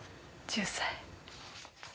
１０歳。